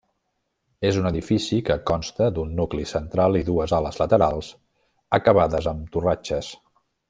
És un edifici que consta d'un nucli central i dues ales laterals acabades amb torratxes.